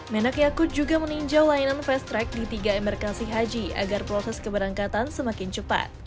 menak yakut juga meninjau layanan fast track di tiga embarkasi haji agar proses keberangkatan semakin cepat